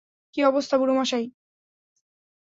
কী অবস্থা, বুড়ো মশাই?